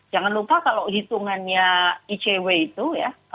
jangan lupa kalau hitungannya icw itu ya